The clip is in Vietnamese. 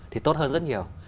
thì tốt hơn rất nhiều